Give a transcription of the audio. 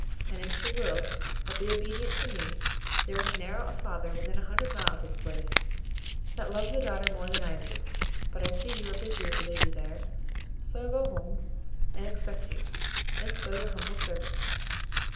And if she will but be obedient to me, there is narrow a father within a hundred miles o' the place, that loves a daughter better than I do; but I see you are busy with the lady here, so I will go huome and expect you; and so your humble servant."